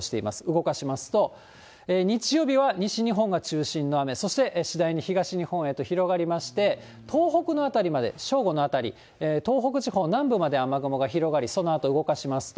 動かしますと、日曜日は西日本が中心の雨、そして次第に東日本へと広がりまして、東北の辺りまで、正午のあたり、東北地方南部まで雨雲が広がり、そのあと動かしますと。